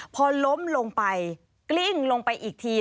พอล้มลงไปกลิ้งลงไปอีกที